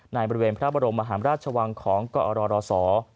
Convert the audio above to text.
ในบริเวณพระบรมมหาราชวังของกอรศ